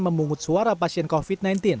memungut suara pasien covid sembilan belas